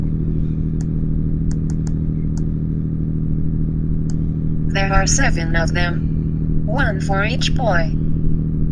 There are seven of them, — one for each boy!